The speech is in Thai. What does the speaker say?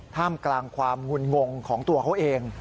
ท่ามกลางความงุนงงของตัวเขาเอง